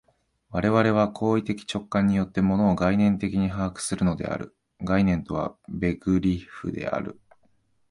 我々は行為的直観によって、物を概念的に把握するのである（概念とはベグリッフである）。